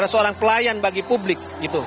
seorang pelayan bagi publik